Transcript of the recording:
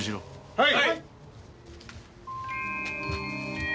はい！